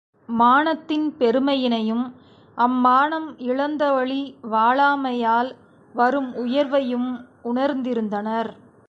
மானத்தின் பெருமையினையும் அம்மானம் இழந்தவழி வாழாமையால் வரும் உயர்வையும் உணர்ந்திருந்தனர்.